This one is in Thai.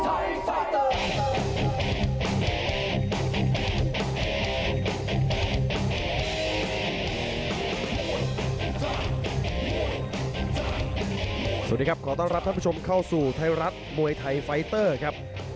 สวัสดีครับขอต้อนรับท่านผู้ชมเข้าสู่ไทยรัฐมวยไทยไฟเตอร์ครับ